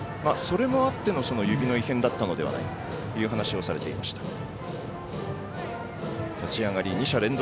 それもあっての指の異変だったのではないかという話をされていました。